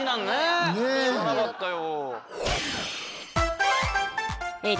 知らなかったよ。